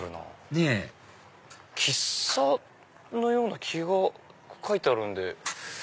ねぇ喫茶のような気が書いてあるんで。